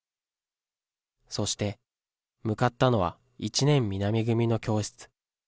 そして、向かったのは１年南組の教室。